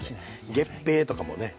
月餅とかもね